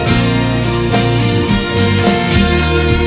sistem keuangan indonesia itu bukan hanya